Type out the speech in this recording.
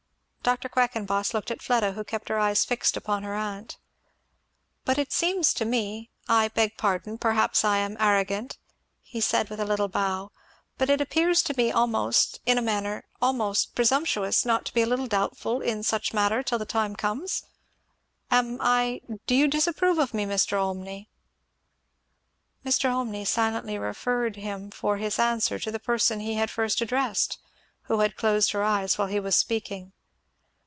Dr. Quackenboss looked at Fleda, who kept her eyes fixed upon her aunt. "But it seems to me I beg pardon perhaps I am arrogant " he said with a little bow, "but it appears to me almost in a manner almost presumptuous, not to be a little doubtful in such a matter until the time comes. Am I do you disapprove of me, Mr. Olmney?" Mr. Olmney silently referred him for his answer to the person he had first addressed, who had closed her eyes while he was speaking.